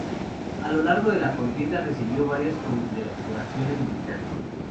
A lo largo de la contienda recibió varias condecoraciones militares.